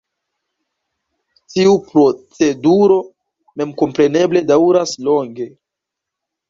Tiu proceduro memkompreneble daŭras longe.